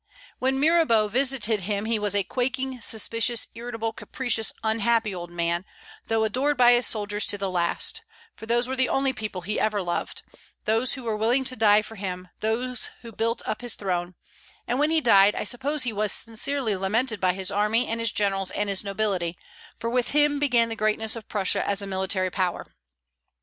When Mirabeau visited him he was a quaking, suspicious, irritable, capricious, unhappy old man, though adored by his soldiers to the last, for those were the only people he ever loved, those who were willing to die for him, those who built up his throne: and when he died, I suppose he was sincerely lamented by his army and his generals and his nobility, for with him began the greatness of Prussia as a military power.